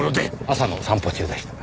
朝の散歩中でした。